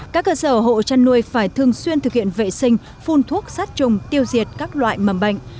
các cơ sở hộ chăn nuôi phải thường xuyên thực hiện vệ sinh phun thuốc sát trùng tiêu diệt các loại mầm bệnh